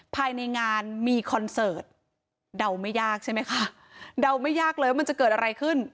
ภายในงานมีคอนเสิร์ตเดาไม่ยากใช่ไหมคะเดาไม่ยากเลยว่ามันจะเกิดอะไรขึ้น